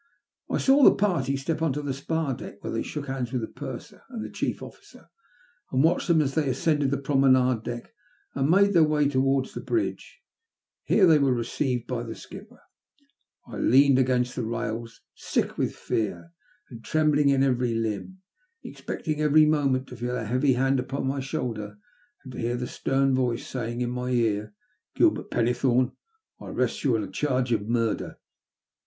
I saw the party step on to the spar deck, where they shook bands with the purser and the chief officer, and watched them as they ascended to the promenade deck and made their way towards the bridge. Here they were received by the skipper. I leaned against the rails, sick with fear and trembling in every limb, expecting every moment to feel a heavy hand upon my shoulder, and to hear a stem voice saying in my ear —" Gilbert Pennethome, I arrest you on a charge of murder."